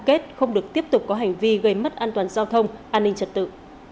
kết không được tiếp tục có hành vi gây mất an toàn giao thông an ninh trật tự